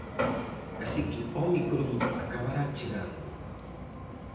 Así que Ómicron acabará chegando.